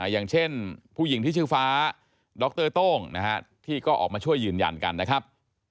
อย่างเช่นผู้หญิงที่ชื่อฟ้าดรโต้งที่ก็ออกมาช่วยยืนยันกันนะครับ